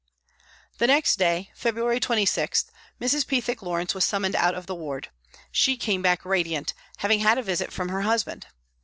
The next day, February 26, Mrs. Pethick Lawrence was summoned out of the ward. She came back radiant, having had a visit from her husband.